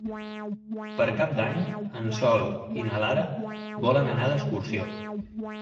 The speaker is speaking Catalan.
Per Cap d'Any en Sol i na Lara volen anar d'excursió.